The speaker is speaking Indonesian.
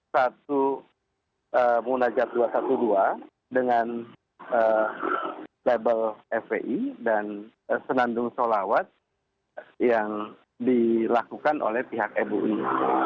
satu munajat dua ratus dua belas dengan label fpi dan senandung solawat yang dilakukan oleh pihak mui